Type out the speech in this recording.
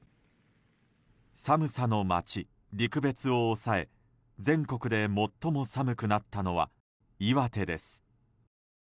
寒さの町・陸別を抑え、全国で最も寒くなったのは岩手です。